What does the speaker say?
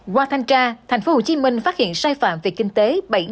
qua thanh tra tp hcm phát hiện sai phạm về kinh tế bảy bốn trăm linh